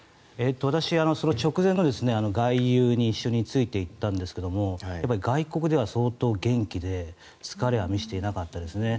私、その直前の外遊に一緒についていったんですが外国では相当元気で疲れは見せていなかったですね。